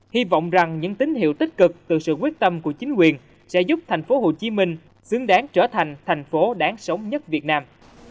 hy vọng rằng những tín hiệu tích cực từ sự quyết tâm của chính quyền sẽ giúp thành phố hồ chí minh xứng đáng trở thành thành phố đáng sống nhất việt nam